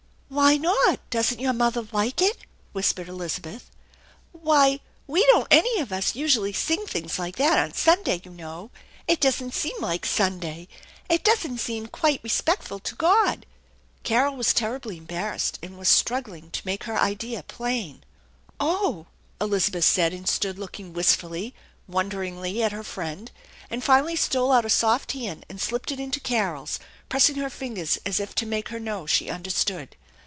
"Why not? Doesn't your mother like it?" whispered Elizabeth. "Why, we don't any of us usually sing things like that on Sunday, you know. It doesn't seem like Sunday. It doesn't seem quite respectful to God." Carol was terribly embarrassed and was struggling to make her idea plain. " Oh !" Elizabeth said, and stood looking wistfully, won deringly at her friend, and finally stole out a soft hand and slipped it into Carol's, pressing her fingers as if to make her ki, ow she understood.